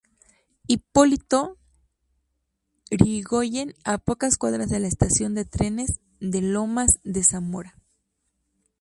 Hipólito Yrigoyen a pocas cuadras de la Estación de trenes de Lomas de Zamora.